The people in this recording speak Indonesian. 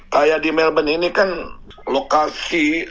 kayak di melbourne ini kan lokasi